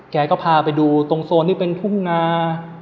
แกก็พาไปดูตรงโซนที่เป็นทุ่งนา